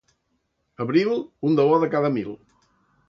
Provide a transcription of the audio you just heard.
Abril, un de bo de cada mil.